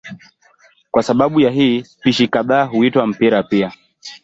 Kwa sababu ya hii spishi kadhaa huitwa mpira pia.